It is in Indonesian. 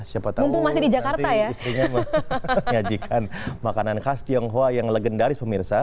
siapa tahu nanti istrinya mengajikan makanan khas tianghua yang legendaris pemirsa